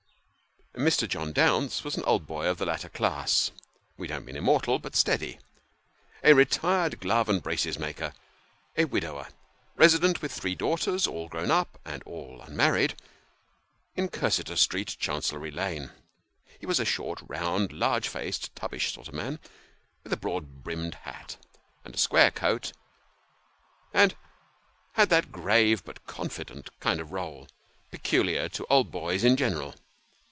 Mr. John Bounce was an old boy of the latter class (we don't mean immortal, but steady), a retired glove and braces maker, a widower, resident with three daughters all grown up and all unmarried in 1 82 Sketches by Boz. Cursitor Street, Chancery Lane. He was a short, round, large faced, tubbish sort of man, with a broad brimmed hat, and a square coat ; and had that grave, but confident, kind of roll, peculiar to old boys in general.